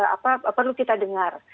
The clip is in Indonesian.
apa perlu kita dengar